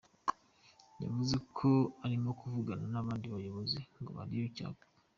Yavuze ko arimo kuvugana n’abandi bayobozi ngo barebe icyakorwa.